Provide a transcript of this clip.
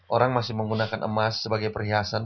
orang masih menggunakan emas sebagai perhiasan